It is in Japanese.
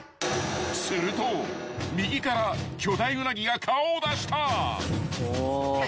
［すると右から巨大ウナギが顔を出した］